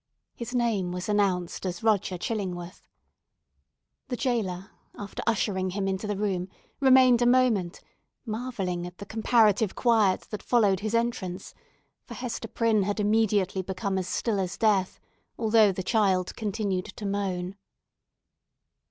His name was announced as Roger Chillingworth. The jailer, after ushering him into the room, remained a moment, marvelling at the comparative quiet that followed his entrance; for Hester Prynne had immediately become as still as death, although the child continued to moan.